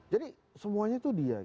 jadi semuanya itu dia